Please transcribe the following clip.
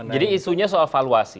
jadi isunya soal valuasi